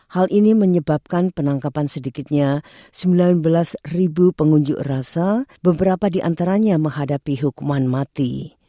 hal ini menyebabkan penangkapan sedikitnya sembilan belas ribu pengunjuk rasa beberapa di antaranya menghadapi hukuman mati